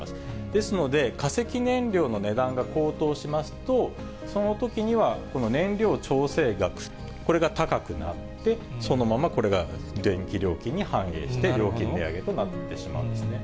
ですので、化石燃料の値段が高騰しますと、そのときにはこの燃料調整額、これが高くなって、そのままこれが電気料金に反映して、料金値上げとなってしまうんですね。